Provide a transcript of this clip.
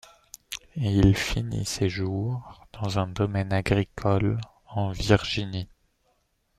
Il finit ses jours dans un domaine agricole en Virginie.